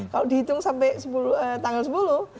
kalau dihitung sampai tanggal sepuluh